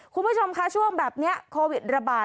คุณผู้ชมคะช่วงแบบนี้โควิดระบาด